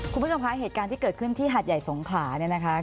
คุณผู้ชมคะเหตุการณ์ที่เกิดขึ้นที่หาดใหญ่สงขลาเนี่ยนะคะ